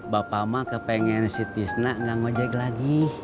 bapak mah kepengen si tisna gak ngojek lagi